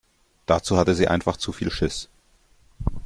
Dazu hatte sie einfach zu viel Schiss.